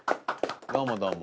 どうもどうも。